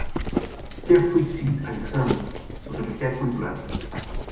Jeffrey C. Alexander, "Sociología cultural.